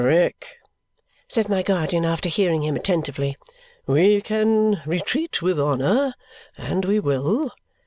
"Rick," said my guardian, after hearing him attentively, "we can retreat with honour, and we will.